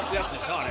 あれ。